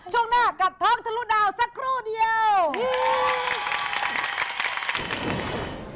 ช่วงหน้ากับท้องทะลุดาวสักครู่เดียว